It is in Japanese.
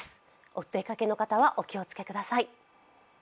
お出かけの方はお気をつけください。